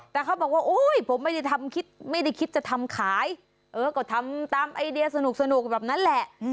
แต่เขาบอกว่าโอ้ยผมไม่ได้ทำคิดไม่ได้คิดจะทำขายเออก็ทำตามไอเดียสนุกแบบนั้นแหละ